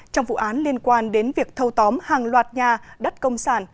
trong vụ án liên quan đến việc thâu tóm hàng loạt nhà đất công sản